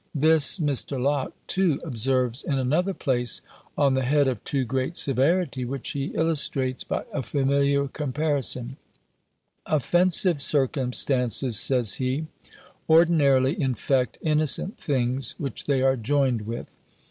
This Mr. Locke, too, observes in another place, on the head of too great severity; which he illustrates by a familiar comparison: "Offensive circumstances," says he, "ordinarily infect innocent things which they are joined with.